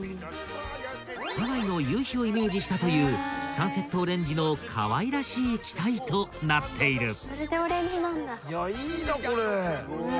［ハワイの夕日をイメージしたというサンセットオレンジのかわいらしい機体となっている］